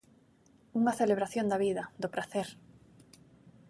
Unha celebración da vida, do pracer.